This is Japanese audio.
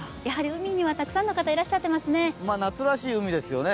海にはたくさんの方いらっしゃってますね。